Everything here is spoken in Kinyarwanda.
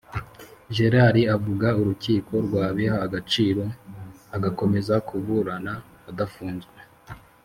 Gérard avuga Urukiko rwabiha agaciro, agakomeza kuburana adafunze